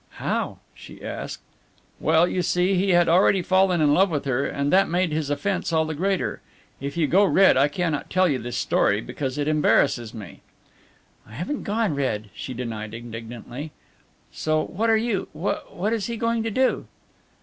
"How?" she asked. "Well, you see, he had already fallen in love with her and that made his offence all the greater. If you go red I cannot tell you this story, because it embarrasses me." "I haven't gone red," she denied indignantly. "So what are you what is he going to do?"